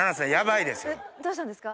どうしたんですか？